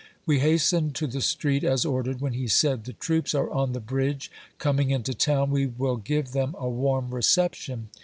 We hastened to the street as ordered, when he said — "The troops are on the bridge, com ing into town ; we will give them a warm reception."